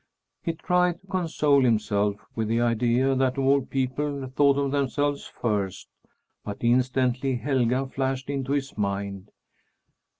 He tried to console himself with the idea that all people thought of themselves first, but instantly Helga flashed into his mind.